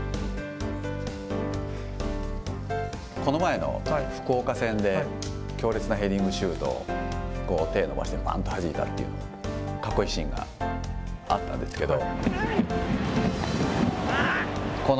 この前の福岡戦で、強烈なヘディングシュートを、手を伸ばしてばんとはじいたっていう、かっこいいシーンがあったんですけど。